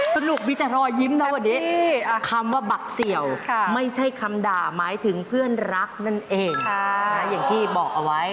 สนุกมีแต่รอยยิ้มนะวันนี้คำว่าบักเสี่ยวไม่ใช่คำด่าหมายถึงเพื่อนรักนั่นเองอย่างที่บอกเอาไว้